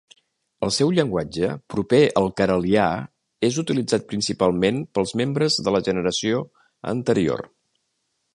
El seu llenguatge, proper al carelià, és utilitzat principalment pels membres de la generació anterior.